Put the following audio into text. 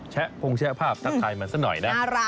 แชะพงแช่ภาพถ่ายมาสักหน่อยนะ